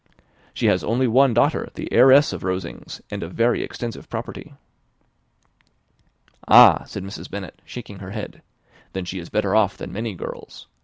"She has one only daughter, the heiress of Rosings, and of very extensive property." "Ah," cried Mrs. Bennet, shaking her head, "then she is better off than many girls.